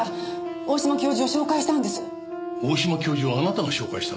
大島教授をあなたが紹介したんですか？